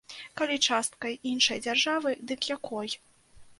Калі часткай іншай дзяржавы, дык якой?